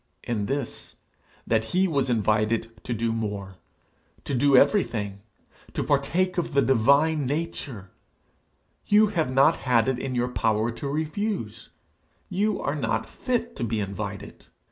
In this, that he was invited to do more, to do everything, to partake of the divine nature; you have not had it in your power to refuse; you are not fit to be invited.